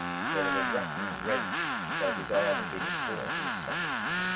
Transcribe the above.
There was a racking wrench, as though his arm were being torn from its socket.